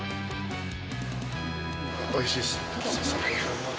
おいしいですね。